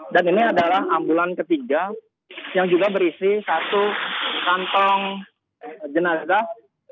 dan ini adalah ambulan ketiga yang juga berisi satu kantung jenazah